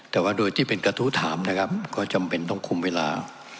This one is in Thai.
แต่ว่าโดยที่เป็นกระทู้ถามนะครับก็จำเป็นต้องคุมเวลา